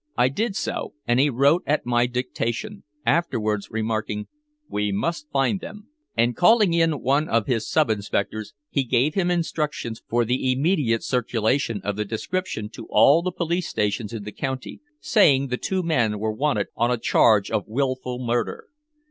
I did so, and he wrote at my dictation, afterwards remarking "We must find them." And calling in one of his sub inspectors, he gave him instructions for the immediate circulation of the description to all the police stations in the county, saying the two men were wanted on a charge of willful murder.